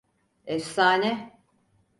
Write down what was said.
Efsane!